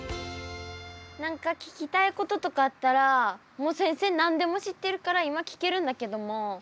何か聞きたいこととかあったらもう先生何でも知ってるから今聞けるんだけども。